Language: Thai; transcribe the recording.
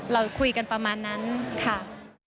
เราคุยกันประมาณนั้นค่ะ